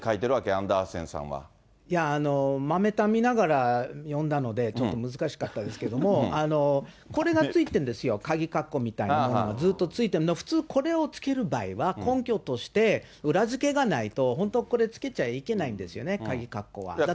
アンダいや、豆単見ながら読んだので、ちょっと難しかったですけど、これがついてるんですよ、かぎかっこみたいなものがずっとついてるの、普通、これをつける場合は、根拠として、裏付けがないと、本当これつけちゃいけないんですよね、かぎかっこは。